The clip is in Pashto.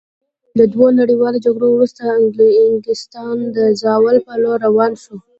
له دوو نړیوالو جګړو وروسته انګلستان د زوال په لور روان شو.